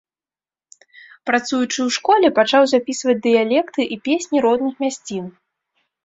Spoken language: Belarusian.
Працуючы ў школе, пачаў запісваць дыялекты і песні родных мясцін.